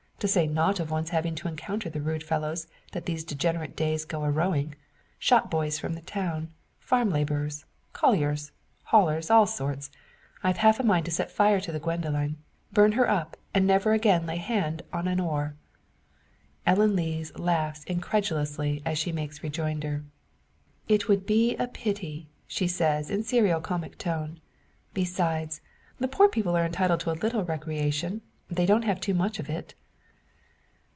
To say nought of one's having to encounter the rude fellows that in these degenerate days go a rowing shopboys from the towns, farm labourers, colliers, hauliers, all sorts. I've half a mind to set fire to the Gwendoline, burn her up, and never again lay hand on an oar." Ellen Lees laughs incredulously as she makes rejoinder. "It would be a pity," she says, in serio comic tone. "Besides, the poor people are entitled to a little recreation. They don't have too much of it."